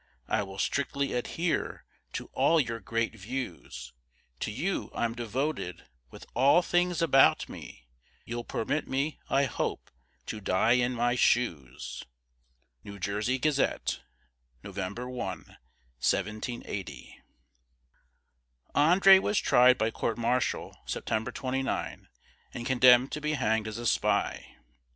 I will strictly adhere to all your great views; To you I'm devoted, with all things about me You'll permit me, I hope, to die in my shoes." New Jersey Gazette, November 1, 1780. André was tried by court martial September 29, and condemned to be hanged as a spy.